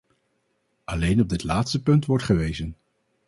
Alleen op dit laatste punt wordt gewezen.